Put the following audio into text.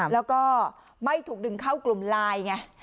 แล้วก็ไม่ถูกดึงเข้ากลุ่มไลน์ไง